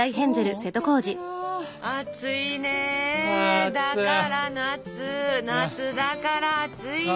暑いねだから夏夏だから暑い。